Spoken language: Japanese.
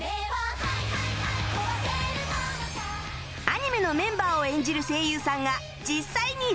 アニメのメンバーを演じる声優さんが実際にライブ